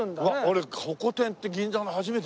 俺ホコ天って銀座の初めてだ。